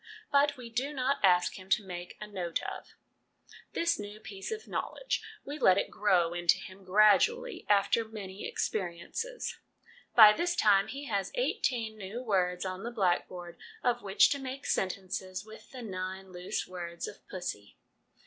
But we do not ask him to 'make a note of this new piece of knowledge ; we let it grow into him gradually, after many experiences. By this time he has eighteen new words on the blackboard of which to make sentences with the nine loose words of 'pussy.'